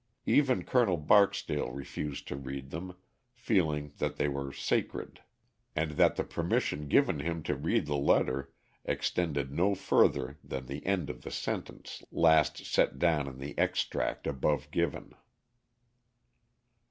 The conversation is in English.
Even Colonel Barksdale refused to read them, feeling that they were sacred, and that the permission given him to read the letter extended no further than the end of the sentence last set down in the extract above given.